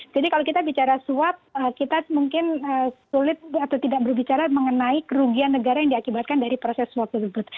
jadi kalau kita bicara suap kita mungkin sulit atau tidak berbicara mengenai kerugian negara yang diakibatkan dari proses suap tersebut